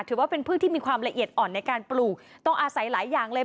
ถือว่าเป็นพืชที่มีความละเอียดอ่อนในการปลูกต้องอาศัยหลายอย่างเลย